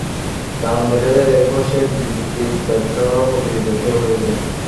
কারণ দেখা যায়, এরপর সেই বিবৃতি ব্যাখ্যা করার প্রতিযোগিতা শুরু হয়ে যায়।